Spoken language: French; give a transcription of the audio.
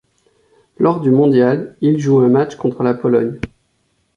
Lors du mondial, il joue un match contre la Pologne.